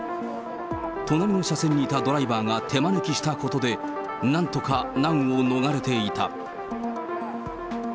隣の車線にいたドライバーが手招きしたことで、なんとか難を逃れていた。